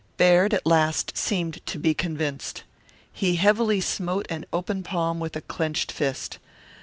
Baird at last seemed to be convinced. He heavily smote an open palm with a clenched fist.